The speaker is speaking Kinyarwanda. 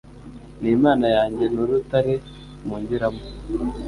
Ni Imana yanjye n’urutare mpungiramo